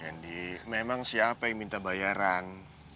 aduh kendi memang siapa yang minta bayaran